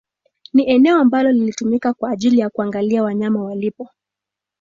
Ni eneo ambalo lilitumika kwa ajili ya kuangalia wanyama walipo